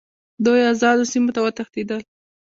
دوی آزادو سیمو ته وتښتېدل.